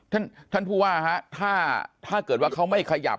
ท่านท่านผู้ว่าฮะถ้าเกิดว่าเขาไม่ขยับ